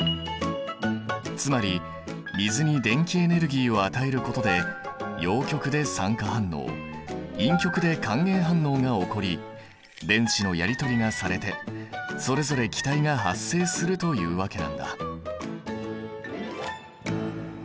つまり水に電気エネルギーを与えることで陽極で酸化反応陰極で還元反応が起こり電子のやり取りがされてそれぞれ気体が発生するというわけなんだ。